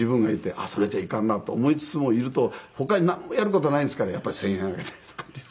あっそれじゃあいかんなと思いつつもいると他になんもやる事ないんですからやっぱり１０００円あげたりとかって。